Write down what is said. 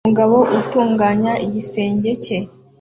Umugabo utunganya igisenge cye